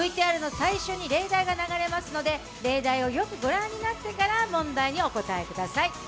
ＶＴＲの最初に例題が流れますので、例題をよく御覧になってから問題にお答えください。